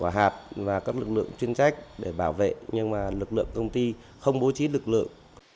quả hạt và các lực lượng chuyên trách để bảo vệ nhưng mà lực lượng công ty không bố trí lực lượng